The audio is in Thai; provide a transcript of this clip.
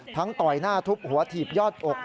ต่อยหน้าทุบหัวถีบยอดอก